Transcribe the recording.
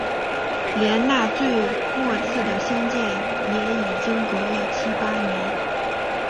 连那最末次的相见也已经隔了七八年